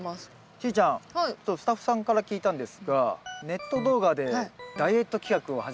しーちゃんスタッフさんから聞いたんですがネット動画でダイエット企画を始めたそうで。